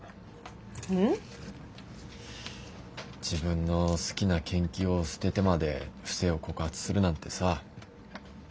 自分の好きな研究を捨ててまで不正を告発するなんてさ。